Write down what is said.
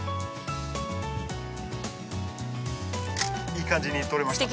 いい感じに撮れました。